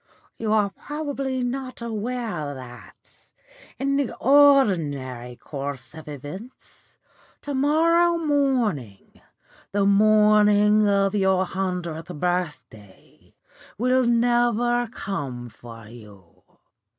You are probably not aware that, in the ordinary course of events, to morrow morning the morning of your hundredth birthday will never come for you.